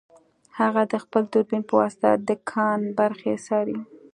هغه د خپل دوربین په واسطه د کان برخې څارلې